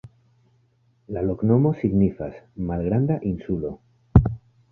La loknomo signifas: malgranda insulo.